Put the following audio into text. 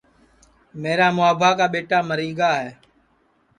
میرا مُوابھا کا ٻیٹا مری گا ہے